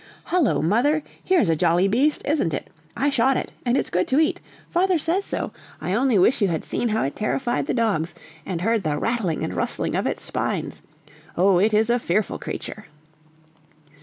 "Hullo, mother! here's a jolly beast, isn't it? I shot it, and it's good to eat! Father says so! I only wish you had seen how it terrified the dogs, and heard the rattling and rustling of its spines. Oh, it is a fearful creature!"